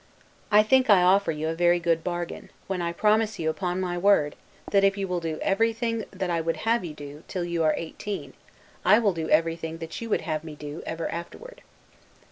I think I offer you a very good bargain, when I promise you, upon my word, that if you will do everything that I would have you do, till you are eighteen, I will do everything that you would have me do ever afterward.